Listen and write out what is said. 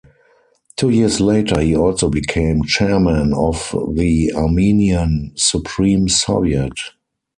Two years later he also became chairman of the Armenian Supreme Soviet.